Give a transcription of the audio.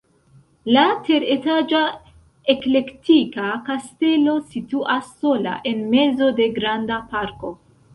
La teretaĝa eklektika kastelo situas sola en mezo de granda parko.